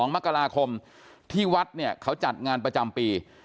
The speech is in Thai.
๒มกราคมที่วัดเนี่ยเขาจัดงานประจำปี